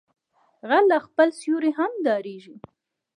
غل له خپل سيوري هم ډاریږي